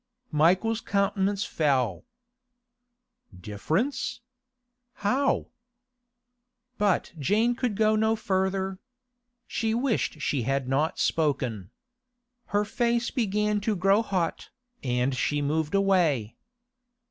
Michael's countenance fell. 'Difference? How?' But Jane could not go further. She wished she had not spoken. Her face began to grow hot, and she moved away.